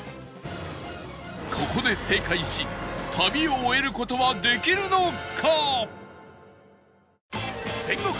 ここで正解し旅を終える事はできるのか？